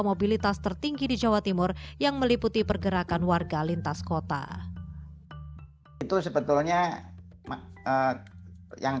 mobilitas tertinggi di jawa timur yang meliputi pergerakan warga lintas kota itu sebetulnya yang